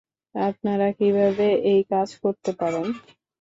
আপনারা কিভাবে এই কাজ করতে পারেন?